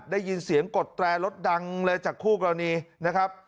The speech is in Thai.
ได้ยินเสียงกดแตรรถดังเลยจากคู่กรณีนะครับ